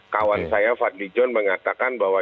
kawan saya fadli john mengatakan bahwa